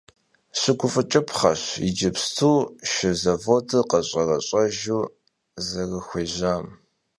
Şıguf'ıç'ıpxheş yicıpstu şşı zavodır kheş'ereş'ejju zerıxuêjam.